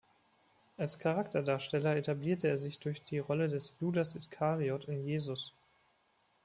Als Charakterdarsteller etablierte er sich durch die Rolle des Judas Iskariot in "Jesus".